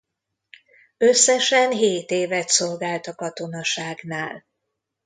Összesen hét évet szolgált a katonaságnál.